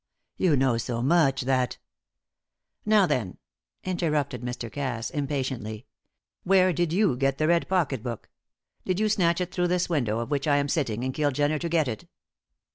You know so much that " "Now, then," interrupted Mr. Cass, impatiently, "where did you get the red pocket book? Did you snatch it through this window at which I am sitting and kill Jenner to get it?"